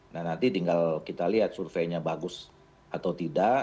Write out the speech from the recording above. nah nanti tinggal kita lihat surveinya bagus atau tidak